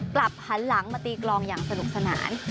กลับหันหลังมาตีกลองอย่างสนุกสนาน